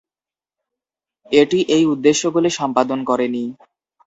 এটি এই উদ্দেশ্যগুলি সম্পাদন করেনি।